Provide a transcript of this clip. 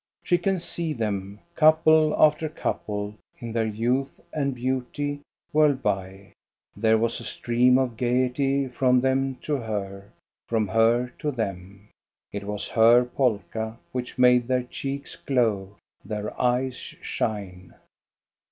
She can see them, couple after couple, in their youth and beauty, whirl by. There was a stream of gayety from them to her, from her to them. It was her polka which made their cheeks glow, their eyes shine.